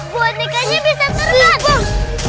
bonekanya bisa terbang